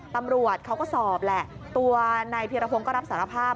ตำรวจเขาก็สอบแหละตัวนายพีรพงศ์ก็รับสารภาพ